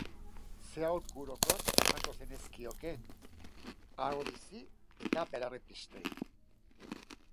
Zer aholku orokor emango zenizkioke ahobizi eta belarriprestei?